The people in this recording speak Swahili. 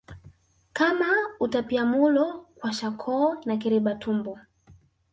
kama utapiamulo kwashakoo na kiliba tumbo